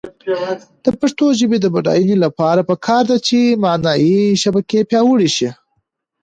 د پښتو ژبې د بډاینې لپاره پکار ده چې معنايي شبکې پیاوړې شي.